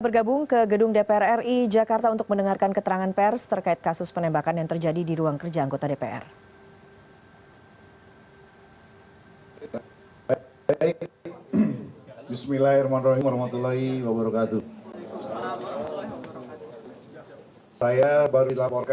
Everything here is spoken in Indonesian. bergabung ke gedung dpr ri jakarta untuk mendengarkan keterangan pers terkait kasus penembakan yang terjadi di ruang kerja anggota dpr